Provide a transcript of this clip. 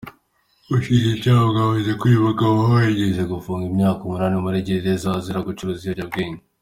Ubashinjacyaha bwavuze ko uyu mugabo yigeze gufungwa imyaka umunani muri gereza azira gucuruza ibiyobyabwenge.